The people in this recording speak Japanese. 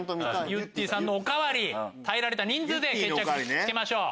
ゆってぃさんのおかわり耐えた人数で決着つけましょう。